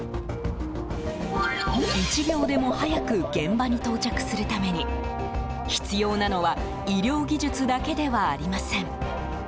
１秒でも早く現場に到着するために必要なのは医療技術だけではありません。